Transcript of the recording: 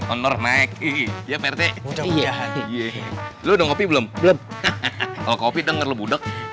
hahaha kalau ngopi denger lo budak